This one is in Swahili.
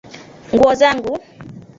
Nguo zangu